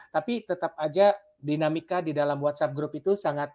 tapi tetap aja dinamika di dalam whatsapp group itu sangat